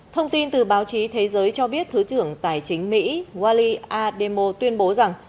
thông tin từ báo chí thế giới cho biết thứ trưởng tài chính mỹ walli ademo tuyên bố rằng